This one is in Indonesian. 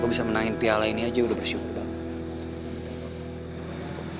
gue bisa menangin piala ini aja udah bersyukur banget